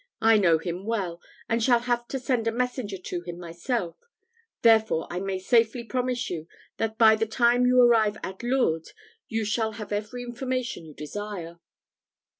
I know him well, and shall have to send a messenger to him myself: therefore I may safely promise you, that by the time you arrive at Lourdes, you shall have every information you desire."